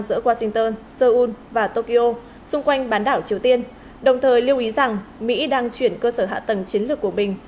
giữa washington seoul và tokyo xung quanh bán đảo triều tiên đồng thời lưu ý rằng mỹ đang chuyển cơ sở hạ tầng chiến lược của bình